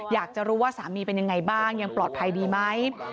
อยากจะรู้ว่าสามีเป็นยังไงบ้างยังปลอดภัยดีไหม